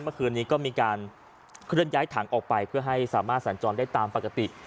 เมื่อคืนนี้ก็มีการเคลื่อนย้ายถังออกไปเพื่อให้สามารถสัญจรได้ตามปกติ